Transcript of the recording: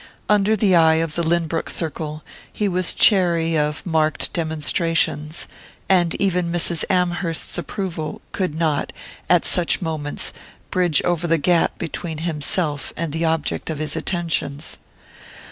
Under the eye of the Lynbrook circle he was chary of marked demonstrations, and even Mrs. Amherst's approval could not, at such moments, bridge over the gap between himself and the object of his attentions.